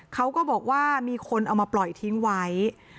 เขาก็บอกว่ามีคนเอามาปล่อยทิ้งไว้